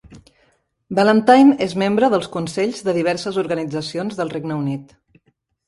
Valentine és membre dels consells de diverses organitzacions del Regne Unit.